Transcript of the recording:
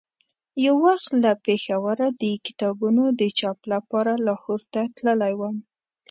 یو وخت له پېښوره د کتابونو د چاپ لپاره لاهور ته تللی وم.